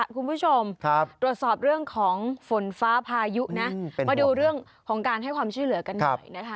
คุณผู้ชมตรวจสอบเรื่องของฝนฟ้าพายุนะมาดูเรื่องของการให้ความช่วยเหลือกันหน่อยนะคะ